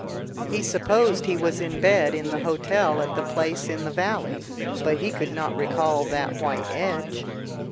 He supposed he was in bed in the hotel at the place in the valley but he could not recall that white edge.